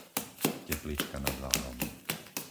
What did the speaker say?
Teplička nad Váhom